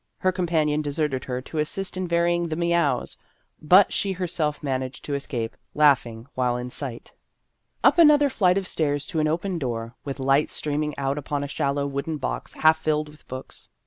Her com panion deserted her to assist in varying the meows, but she herself managed to escape, laughing while in sight. Up another flight of stairs to an open door, with light streaming out upon a shallow wooden box half filled with books.